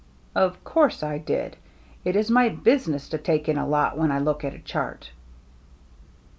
" Of course I did. It is my business to take in a lot when I look at a chart."